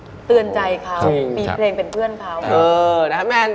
ก็เตือนใจเขามีเพลงเป็นเพื่อนเขา